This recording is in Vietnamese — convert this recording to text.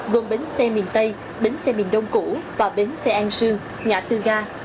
gồm bến xe miền tây bến xe miền đông củ và bến xe an sương ngã tư ga